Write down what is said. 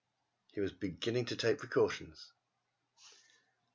He was beginning to take precautions.